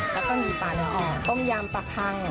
แล้วก็มีปลาเนื้ออ่อนต้มยำปลาพัง